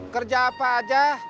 kerja apa aja